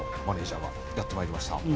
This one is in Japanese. マネージャーがやってまいりました。